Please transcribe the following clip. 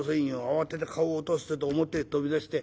慌てて顔を落とすってえと表へ飛び出して。